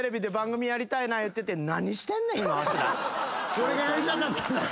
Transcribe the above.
これがやりたかったんだろ？